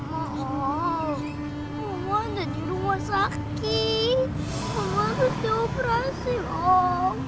mama mama ada di rumah sakit mama harus di operasi om